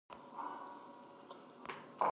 که ښوونځی وي نو بدبختي نه وي.